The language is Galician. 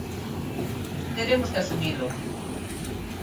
Teremos que asumilo.